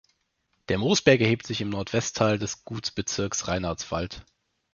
Der Moosberg erhebt sich im Nordwestteil des Gutsbezirks Reinhardswald.